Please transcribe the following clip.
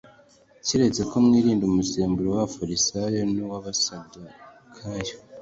Keretse ko mwirinda umusemburo w’Abafarisayo n’uw’Abasadukayo.”